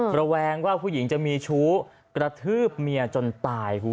ระแวงว่าผู้หญิงจะมีชู้กระทืบเมียจนตาย